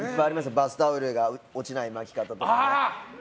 バスタオルが落ちない巻き方とか。